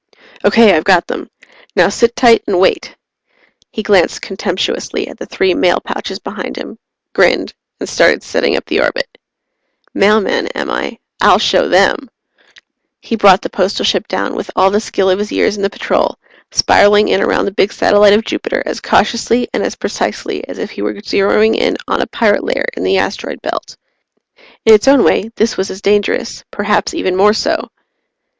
"Okay, I've got them. Now sit tight and wait." He glanced contemptuously at the three mail pouches behind him, grinned, and started setting up the orbit. Mailman, am I? I'll show them! He brought the Postal Ship down with all the skill of his years in the Patrol, spiralling in around the big satellite of Jupiter as cautiously and as precisely as if he were zeroing in on a pirate lair in the asteroid belt. In its own way, this was as dangerous, perhaps even more so.